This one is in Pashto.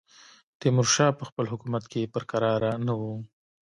تیمورشاه په خپل حکومت کې پر کراره نه وو.